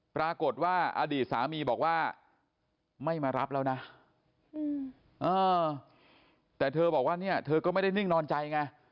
ปรากฏว่าอดีตสามีบอกว่าไม่มารับแล้วนะแต่เธอบอกว่าเนี่ยเธอก็ไม่ได้นิ่งนอนใจไง